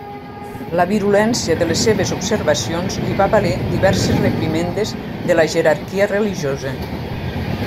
La virulència de les seves observacions li va valer diverses reprimendes de la jerarquia religiosa.